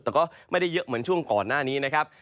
แต่ก็ไม่ได้เยอะเหมือนช่วงก่อนหน้านี้นะครับ